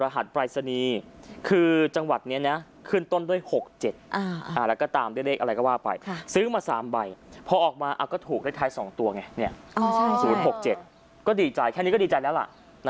ก็ดีใจแค่นี้ก็ดีใจแล้วล่ะ